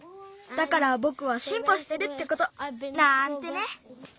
だからぼくはしんぽしてるってことなんてね！